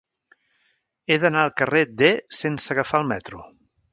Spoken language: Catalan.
He d'anar al carrer D sense agafar el metro.